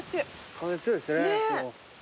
風強いですね今日。